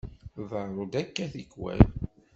Tḍerru-d akka tikkwal.